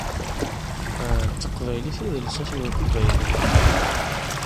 D taqbaylit i d lsas n weqbayli.